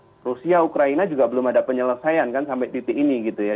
karena rusia ukraina juga belum ada penyelesaian kan sampai titik ini gitu ya